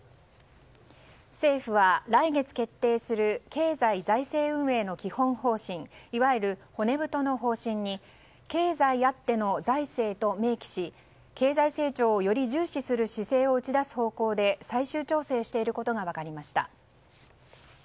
政府は、来月決定する経済財政運営の基本方針いわゆる骨太の方針に経済あっての財政と明記し経済成長をより重視する姿勢を打ち出す方向で最終調整していることが分かりました。